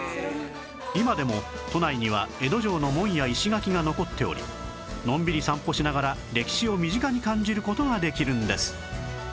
今でも都内には江戸城の門や石垣が残っておりのんびり散歩しながら歴史を身近に感じる事ができるんです